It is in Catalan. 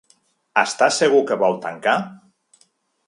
Està segur que vol tancar?